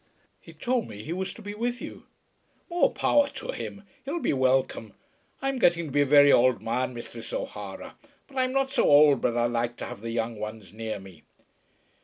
"He told me he was to be with you." "More power to him. He'll be welcome. I'm getting to be a very ould man, Misthress O'Hara; but I'm not so ould but I like to have the young ones near me."